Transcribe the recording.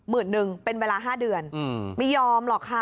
หนึ่งเป็นเวลา๕เดือนไม่ยอมหรอกค่ะ